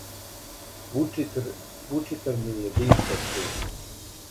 Вучитрн је јединствен пример.